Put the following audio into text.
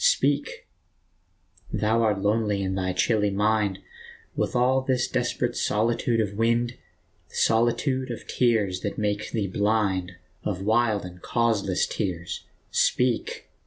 Speak ! thou art lonely in thy chilly mind, With all this desperate solitude of wind, The solitude of tears that make thee blind, Of wild and causeless tears. Speak